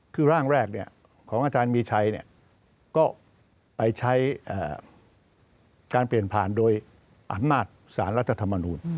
คือร่างแรกของอาจารย์มีชัยก็ไปใช้การเปลี่ยนผ่านโดยอำนาจสารรัฐธรรมนูล